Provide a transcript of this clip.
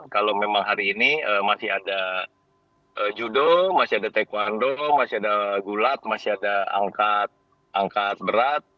kalau memang hari ini masih ada judo masih ada taekwondo masih ada gulat masih ada angkat berat